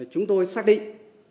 chúng tôi xác định